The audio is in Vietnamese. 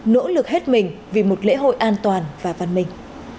nỗ lực hết mình vì một lễ hội an toàn và văn minh